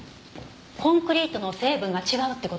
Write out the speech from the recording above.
コンクリートの成分が違うって事？